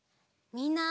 みんな！